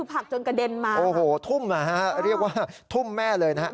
ผักจนกระเด็นมาโอ้โหทุ่มอ่ะฮะเรียกว่าทุ่มแม่เลยนะฮะ